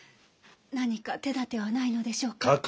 何か手立てはないのでしょうか？